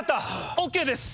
ＯＫです！